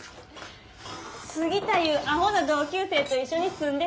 杉田いうアホな同級生と一緒に住んでて。